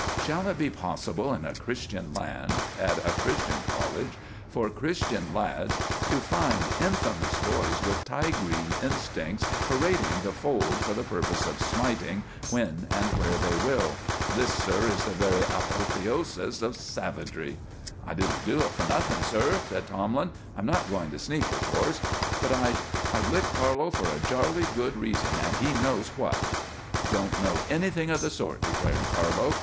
Shall it be possible in a Christian land, at a Christian college for Christian lads, to find infamous boys with tigrine instincts parading the fold for the purpose of smiting when and where they will? This, sir, is the very apotheosis of savagery!" "I didn't do it for nothing, sir," said Tomlin. "I'm not going to sneak, of course; but I I licked Carlo for a jolly good reason, and he knows what." "Don't know anything of the sort," declared Carlo.